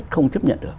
không tiếp nhận được